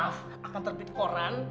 maaf akan terbit koran